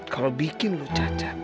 kalau bikin lo cacat